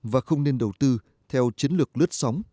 và không nên đầu tư theo chiến lược lướt sóng